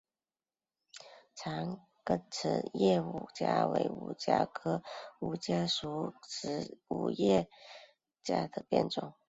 长梗匙叶五加为五加科五加属匙叶五加的变种。